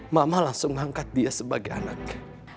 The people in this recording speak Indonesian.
mama langsung angkat dia sebagai anaknya